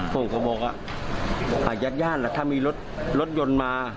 ผมก็บอกอยากย่านถ้ามีรถยนต์มา